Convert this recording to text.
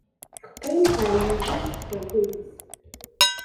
Teqqim ɣer yidis n wergaz-is.